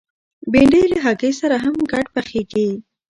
بېنډۍ له هګۍ سره هم ګډ پخېږي